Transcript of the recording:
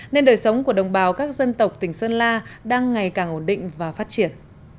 nên đời sống của đồng bào các dân tộc tỉnh sơn la đang ngày càng ổn định và phát triển